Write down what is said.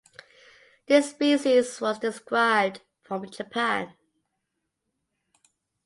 This species was described from Japan.